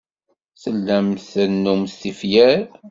Tellamt trennumt tifyar.